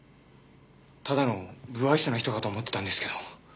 ただの無愛想な人かと思ってたんですけど。